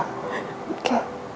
nanti kamu bicarakan sama al